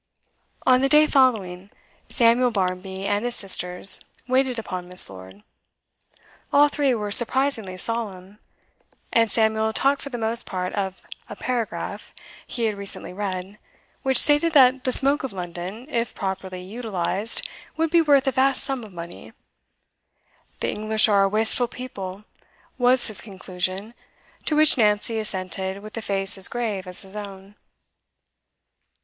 On the day following, Samuel Barmby and his sisters waited upon Miss. Lord; all three were surprisingly solemn, and Samuel talked for the most part of a 'paragraph' he had recently read, which stated that the smoke of London, if properly utilised, would be worth a vast sum of money. 'The English are a wasteful people,' was his conclusion; to which Nancy assented with a face as grave as his own.